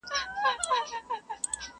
بختور به په دنیا کي د حیات اوبه چښینه٫